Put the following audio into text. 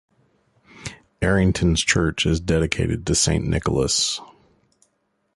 Arrington's church is dedicated to Saint Nicholas.